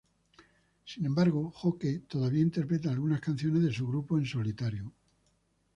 Sin embargo, Joke, todavía interpreta algunas canciones de su grupo en solitario.